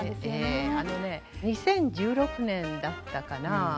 あのね２０１６年だったかな。